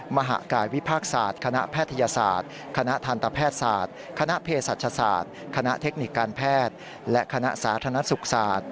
มหากายวิภาคศาสตร์คณะแพทยศาสตร์คณะทันตแพทย์ศาสตร์คณะเพศศาสตร์คณะเทคนิคการแพทย์และคณะสาธารณสุขศาสตร์